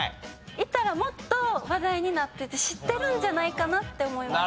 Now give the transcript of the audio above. いたらもっと話題になってて知ってるんじゃないかなって思いました。